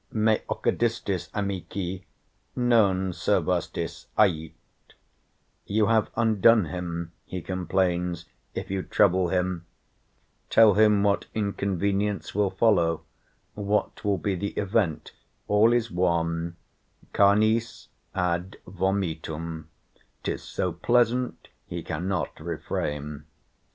me occidistis, amici, Non servâstis, ait:" you have undone him, he complains, if you trouble him: tell him what inconvenience will follow, what will be the event, all is one, canis ad vomitum, 'tis so pleasant he cannot refrain.